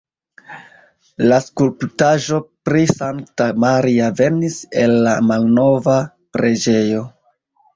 La skulptaĵo pri Sankta Maria venis el la malnova preĝejo.